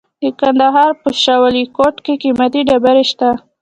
د کندهار په شاه ولیکوټ کې قیمتي ډبرې شته.